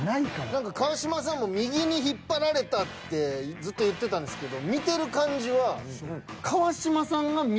何か川島さんも右に引っ張られたってずっと言ってたんですけど見てる感じは。